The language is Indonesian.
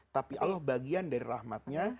tapi allah bagian dari rahmatnya